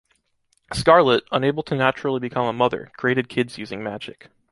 Scarlet, unable to naturally become a mother, created kids using magic.